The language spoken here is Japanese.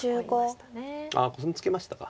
コスミツケましたか。